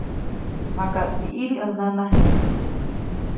Makaʼtsi ʼidi ʼäj nanajiʼŋ.